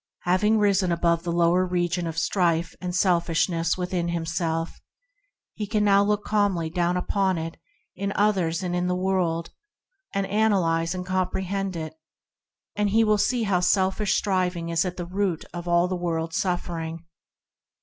Having risen above the lower region of strife and selfishness within himself, he can now look calmly down upon it in others and in the world, to analyze and comprehend it, and he will see how selfish striving is at the root of all the world's suffering.